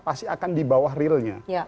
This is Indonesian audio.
pasti akan di bawah realnya